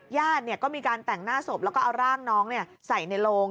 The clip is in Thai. ญาติก็มีการแต่งหน้าศพแล้วก็เอาร่างน้องใส่ในโลง